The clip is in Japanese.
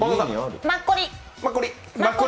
マッコリ？